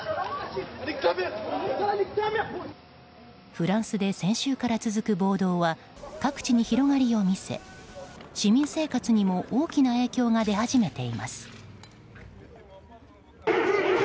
フランスで先週から続く暴動は各地に広がりを見せ市民生活にも大きな影響が出始めています。